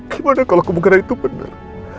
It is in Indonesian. gimana kalau kebugaran itu benar